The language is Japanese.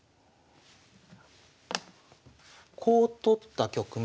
こう取った局面。